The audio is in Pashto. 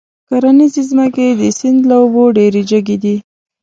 کرنيزې ځمکې د سيند له اوبو ډېرې جګې دي.